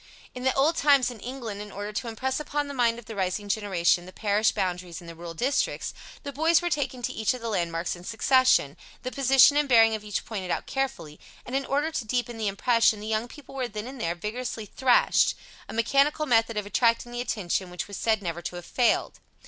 In the old times in England, in order to impress upon the mind of the rising generation the parish boundaries in the rural districts, the boys were taken to each of the landmarks in succession, the position and bearing of each pointed out carefully, and, in order to deepen the impression, the young people were then and there vigorously thrashed a mechanical method of attracting the attention which was said never to have failed.